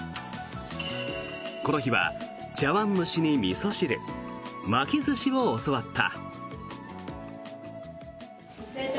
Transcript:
この日は茶わん蒸しにみそ汁巻き寿司を教わった。